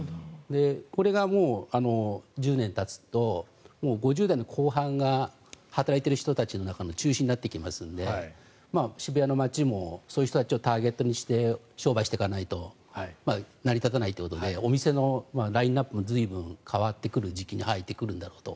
これが１０年たつと５０代の後半が働いている人たちの中心になってきますので渋谷の街もそういう人たちをターゲットにして商売していかないと成り立たないということでお店のラインアップも随分変わってくる時期に入ってくるんだろうと。